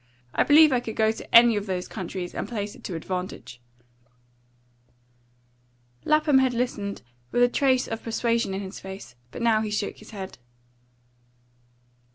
I believe I could go to any of those countries and place it to advantage." Lapham had listened with a trace of persuasion in his face, but now he shook his head.